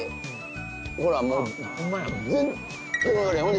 ほらもう全然分かれへん。